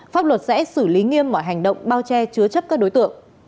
pháp luật sẽ xử lý nghiêm mọi hành động bao che chứa chấp các đối tượng